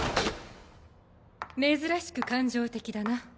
珍しく感情的だな。